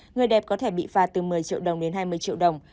người đẹp có thể bị phạt từ một mươi triệu đồng đến hai mươi triệu đồng